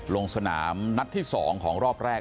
ลงสนามนัดที่๒ของรอบแรก